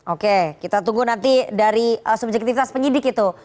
oke kita tunggu nanti dari subjektivitas penyidik itu